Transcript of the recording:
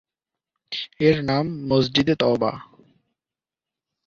এর নাম "মসজিদে তওবা"।